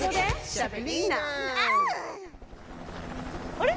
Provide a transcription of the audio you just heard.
あれ？